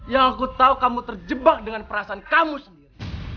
yang aku tahu kamu terjebak dengan perasaan kamu sendiri